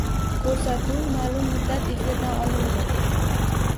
Koʻrsatuv maʼlum muddat efirdan olindi.